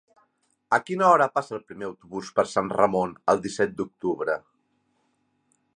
A quina hora passa el primer autobús per Sant Ramon el disset d'octubre?